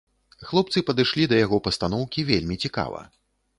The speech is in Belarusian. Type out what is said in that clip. Хлопцы падышлі да яго пастаноўкі вельмі цікава.